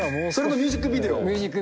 ミュージックビデオ。